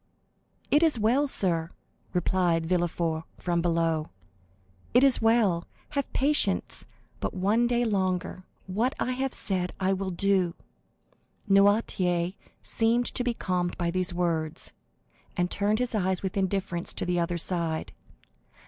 "It is well, sir," replied Villefort from below,—"it is well; have patience but one day longer; what I have said I will do." Noirtier seemed to be calmed by these words, and turned his eyes with indifference to the other side.